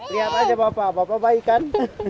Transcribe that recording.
lihat aja bapak bapak baik kan